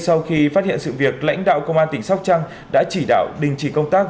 sau khi phát hiện sự việc lãnh đạo công an tỉnh sóc trăng đã chỉ đạo đình chỉ công tác